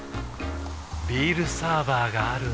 ビールサーバーがある夏。